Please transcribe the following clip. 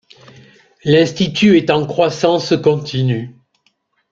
L'Institut est en croissance continue.